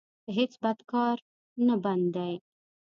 په هېڅ بد کار نه بند دی.